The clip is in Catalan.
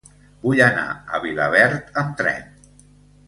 Vull anar a Vilaverd amb tren.